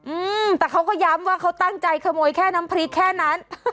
อืมแต่เขาก็ย้ำว่าเขาตั้งใจขโมยแค่น้ำพริกแค่นั้น